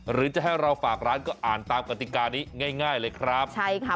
หรือจะให้เราฝากร้านก็อ่านตามกติกานี้ง่ายง่ายเลยครับใช่ค่ะ